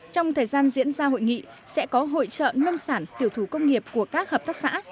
trong thời gian diễn ra hội nghị sẽ có hội trợ nông sản tiểu thủ công nghiệp của các hợp tác xã